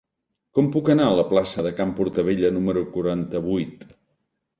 Com puc anar a la plaça de Can Portabella número quaranta-vuit?